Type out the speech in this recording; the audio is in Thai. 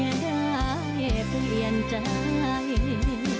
โอ้โหจงรักและมีแค่ฉันอย่าได้เปลี่ยนใจ